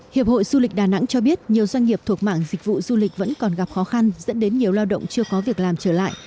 hiệp hội du lịch đà nẵng cho biết nhiều doanh nghiệp thuộc mạng dịch vụ du lịch vẫn còn gặp khó khăn dẫn đến nhiều lao động chưa có việc làm trở lại